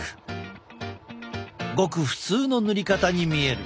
ごく普通の塗り方に見える。